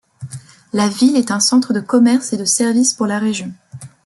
La ville est un centre de commerce et de service pour la région.